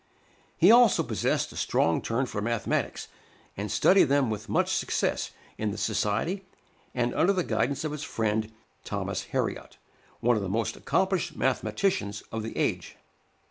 He also possessed a strong turn for mathematics, and studied them with much success in the society and under the guidance of his friend, Thomas Hariot, one of the most accomplished mathematicians of the age.